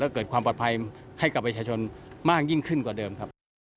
เกิดความปลอดภัยให้กับประชาชนมากยิ่งขึ้นกว่าเดิมครับ